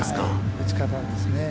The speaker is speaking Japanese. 打ち方ですね。